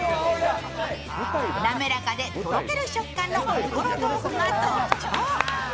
滑らかでとろける食感のおぼろ豆腐が特徴。